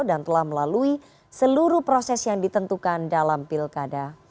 dan telah melalui seluruh proses yang ditentukan dalam pilkada